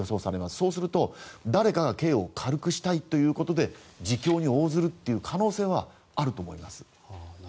そうすると、誰かが刑を軽くしたいということで自供に応ずる可能性はあると思います。